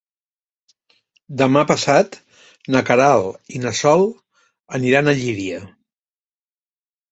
Demà passat na Queralt i na Sol aniran a Llíria.